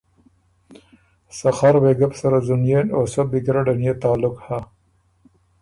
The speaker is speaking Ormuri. سخر وېګه بو سَرَه ځُنئېن او سۀ بی ګیرډن يې تعلق هۀ۔